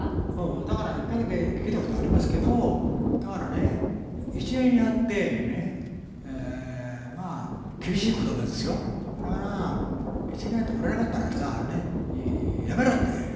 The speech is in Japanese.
だから一回だけ聞いたことありますけど、だからね、１年やって、厳しいことばですよ、だから、１年やって売れなかったら、やめろ！って。